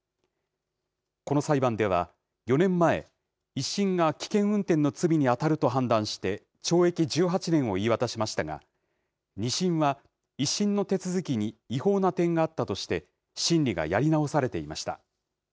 この裁判では、４年前、１審が危険運転の罪に当たると判断して、懲役１８年を言い渡しましたが、２審は１審の手続きに違法な点があったとして、審理がやり直されていました。